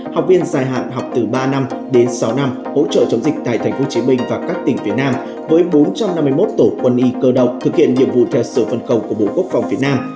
học viên dài hạn học từ ba năm đến sáu năm hỗ trợ chống dịch tại tp hcm và các tỉnh phía nam với bốn trăm năm mươi một tổ quân y cơ động thực hiện nhiệm vụ theo sở phân cầu của bộ quốc phòng việt nam